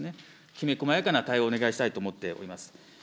きめ細やかな対応をお願いしたいと思っております。